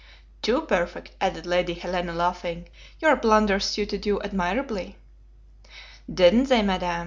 "Too perfect," added Lady Helena, laughing; "your blunders suited you admirably." "Didn't they, Madam?